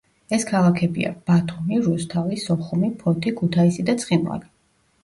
ეს ქალაქებია: ბათუმი, რუსთავი, სოხუმი, ფოთი, ქუთაისი და ცხინვალი.